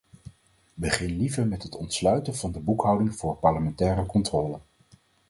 Begin liever met het ontsluiten van de boekhouding voor parlementaire controle.